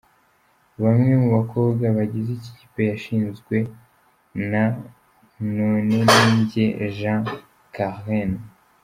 Bamwe mu bakobwa bagize ikipe yashinzwe na Noneninjye Jean Crallene.